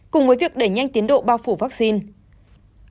cùng với việc đẩy nhanh tiến độ bao phủ vaccine